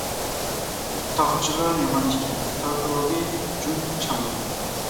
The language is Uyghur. تاغچىلار يامان ئىكەن، تارتىۋالدى جۈن چاڭنى.